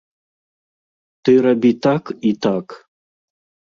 Ты рабі так і так.